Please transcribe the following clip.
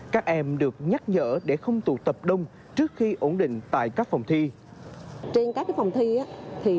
các em được nhắc nhở để không tụ tập đông trước khi ổn định tại các phòng thi